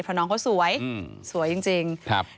เพราะน้องเขาสวยสวยจริงครับ